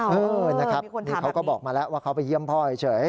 มีคนถามแบบนี้เขาก็บอกมาแล้วว่าเขาไปเยี่ยมพ่อไอ้เฉย